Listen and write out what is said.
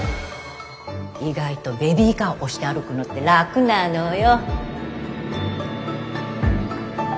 意外とベビーカー押して歩くのって楽なのよ。